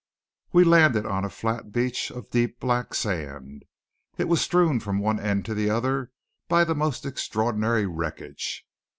We landed on a flat beach of deep black sand. It was strewn from one end to the other by the most extraordinary wreckage.